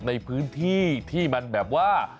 ในพื้นที่ที่มันแบบว่า